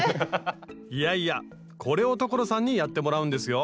いやいやこれを所さんにやってもらうんですよ